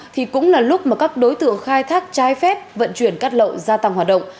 thì cũng là lúc mà các đối tượng khai thác trái phép vận chuyển cát lậu gia tăng hoạt động